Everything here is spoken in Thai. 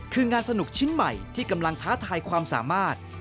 คืองานสนุกชิ้นใหม่ที่กำลังท้าทายความสามารถ